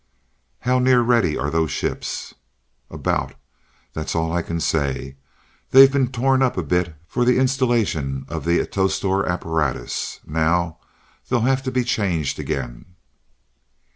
"How near ready are those ships?" "About. That's all I can say. They've been torn up a bit for installation of the atostor apparatus. Now they'll have to be changed again."